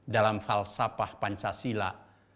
dalam falsafah pancasila